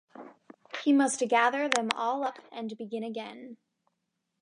He must gather them all up and begin again.